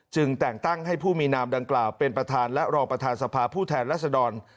แต่งตั้งให้ผู้มีนามดังกล่าวเป็นประธานและรองประธานสภาผู้แทนรัศดร